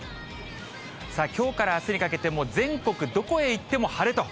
きょうからあすにかけて、もう全国どこへ行っても晴れと。